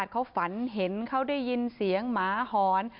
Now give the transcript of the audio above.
เขาฝันเห็นเขาได้ยินเสียงหมาหอน